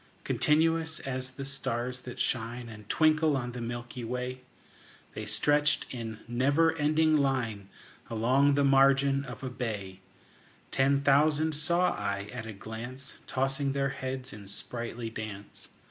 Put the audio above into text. Continuous as the stars that shine And twinkle on the milky way, The stretched in never ending line Along the margin of a bay: Ten thousand saw I at a glance, Tossing their heads in sprightly dance.